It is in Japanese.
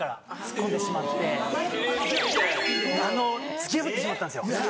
・突き破ってしまったんです。